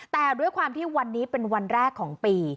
แต่ด้วยความที่วันนี้เป็นวันแรกของปี